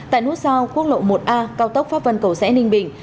tại nút sau quốc lộ một a cao tốc pháp vân cầu sẽ ninh bình